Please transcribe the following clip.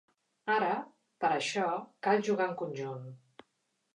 Ara, per a això cal jugar en conjunt.